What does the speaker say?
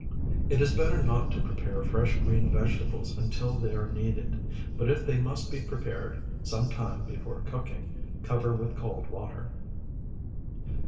It is better not to prepare fresh green vegetables until they are needed; but if they must be prepared some time before cooking, cover with cold water.